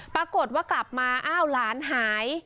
ปรากฏว่ากลับมาอ้าวหลานหาย